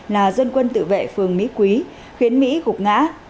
là dân quân tự vệ phường mỹ quý khiến mỹ gục ngã